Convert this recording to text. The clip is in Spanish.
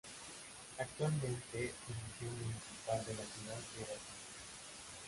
Actualmente el liceo municipal de la ciudad lleva su nombre.